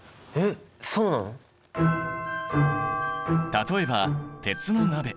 例えば鉄の鍋。